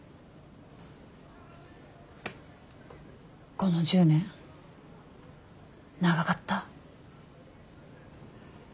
この１０年長かった？